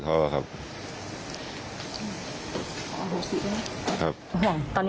พี่รับน้องหาลอง